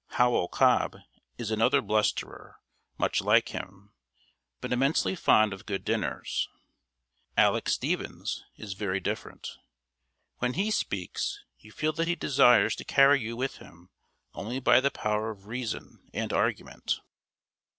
Howell Cobb is another blusterer, much like him, but immensely fond of good dinners. Aleck Stephens is very different. When he speaks, you feel that he desires to carry you with him only by the power of reason and argument.